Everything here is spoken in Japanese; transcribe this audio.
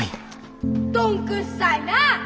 どんくっさいなあ。